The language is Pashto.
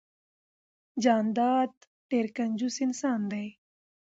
جانداد ډیررر کنجوس انسان ده